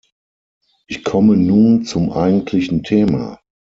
Ich komme nun zum eigentlichen Thema.